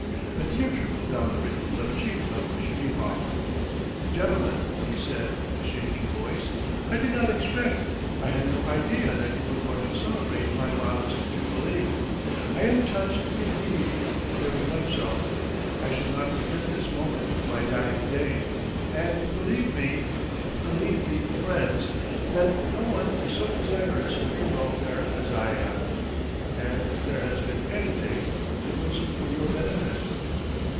A tear trickled down the wrinkled left cheek of Zhmyhov. "Gentlemen!" he said in a shaking voice, "I did not expect, I had no idea that you were going to celebrate my modest jubilee. ... I am touched indeed ... very much so. ... I shall not forget this moment to my dying day, and believe me ... believe me, friends, that no one is so desirous of your welfare as I am ... and if there has been anything ... it was for your benefit."